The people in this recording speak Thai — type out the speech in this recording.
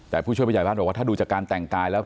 แต่ผู้ช่วยผู้ใหญ่บ้านบอกว่าถ้าดูจากการแต่งกายแล้ว